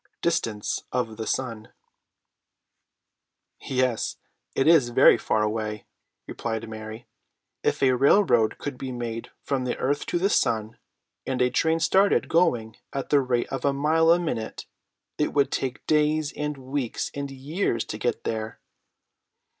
DISTANCE OF THE SUN. "Yes, it is very far away," replied Mary. "If a railroad could be made from the earth to the sun, and a train started going at the rate of a mile a minute, it would take days and weeks and years to get there.